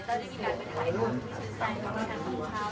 เพราะว่าที่ขันร้านเนี่ยต้องได้มีร้านเป็นอะไรค่ะ